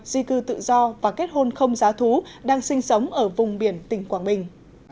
di cư tự do và kết hôn không giá thú đang sinh sống ở vùng biển tỉnh quảng bình